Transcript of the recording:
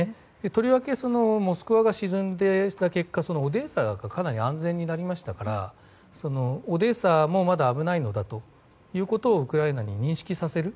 とりわけ「モスクワ」が沈んだ結果オデーサがかなり安全になりましたからオデーサもまだ危ないのだということをウクライナに認識させる。